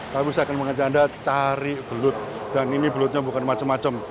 tapi saya akan mengajak anda cari belut dan ini belutnya bukan macam macam